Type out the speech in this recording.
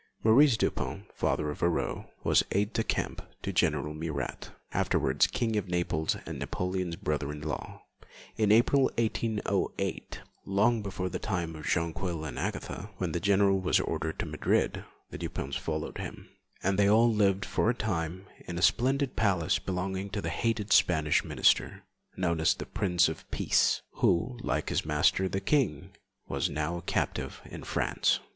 Maurice Dupin, the father of Aurore, was aide de camp to General Murat, afterwards King of Naples and Napoleon's brother in law. In April 1808, long before the time of Jonquil and Agatha, when the general was ordered to Madrid, the Dupins followed him, and they all lived for a time in a splendid palace belonging to the hated Spanish minister, known as the 'Prince of Peace,' who like his master the king, was now a captive in France.